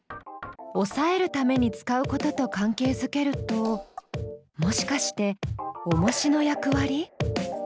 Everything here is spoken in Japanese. おさえるために使うことと関係づけるともしかしておもしの役割？